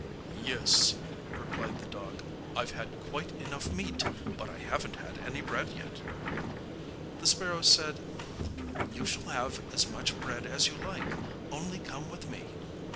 'Yes,' replied the dog, 'I've had quite enough meat, but I haven't had any bread yet.' The sparrow said: 'You shall have as much bread as you like, only come with me.